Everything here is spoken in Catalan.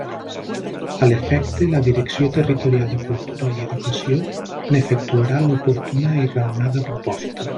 A l'efecte, la Direcció Territorial de Cultura i Educació n'efectuarà l'oportuna i raonada proposta.